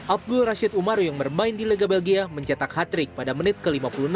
abdul rashid umaro yang bermain di liga belgia mencetak hat trick pada menit ke lima puluh enam